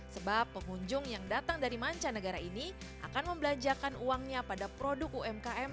sebab pengunjung yang datang dari mancanegara ini akan membelanjakan uangnya pada produk umkm